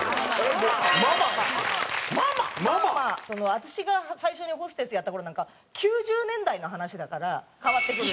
私が最初にホステスやった頃なんか９０年代の話だから変わってくる。